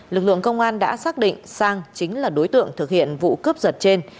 lực lượng công an đã xác định sang chính là đối tượng thực hiện vụ cướp giật trên